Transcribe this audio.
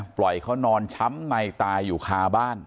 ปล่อยเขานอนช้ำในตายอยู่คาบ้าน